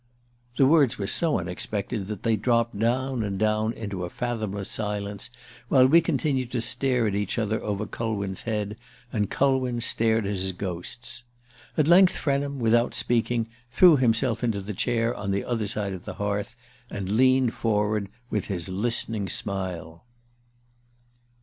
The words were so unexpected that they dropped down and down into a fathomless silence, while we continued to stare at each other over Culwin's head, and Culwin stared at his ghosts. At length Frenham, without speaking, threw himself into the chair on the other side of the hearth, and leaned forward with his listening smile